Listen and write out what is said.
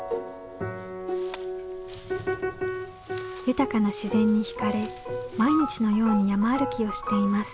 豊かな自然に惹かれ毎日のように山歩きをしています。